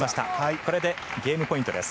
これでゲームポイントです。